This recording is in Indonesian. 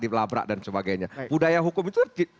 dilabrak dan sebagainya budaya hukum itu